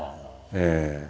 ええ。